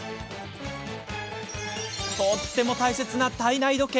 とっても大切な体内時計。